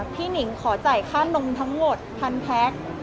หนิงขอจ่ายค่าลงทั้งหมด๑๐๐แพ็ค